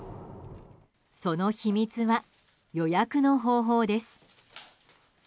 その秘密は、予約の方法です。